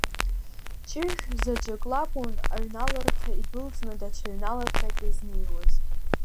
Ҷыжә заҵәык лакәын аҩналарҭа идәылҵны, даҽа ҩналарҭак иазнеиуаз.